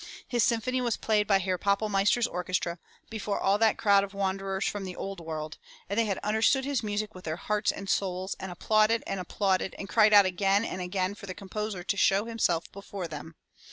His symphony was played by Herr Pappel meister*s orchestra before all that crowd of wanderers from the old world, and they had understood his music with their hearts and souls, and applauded and applauded, and cried out again and again for the composer to show himself before them.